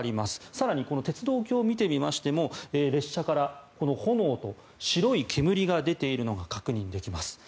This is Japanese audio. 更にこの鉄道橋を見てみましても列車から炎と白い煙が出ているのが確認できます。